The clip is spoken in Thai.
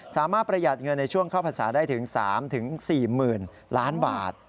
สามารถประหยัดเงินในช่วงเข้าพรษาได้ถึง๓๔๐หมื่นล้านบาท